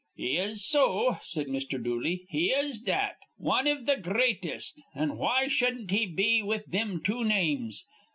"He is so," said Mr. Dooley. "He is that. Wan iv th' gr reatest. An' why shudden't he be with thim two names?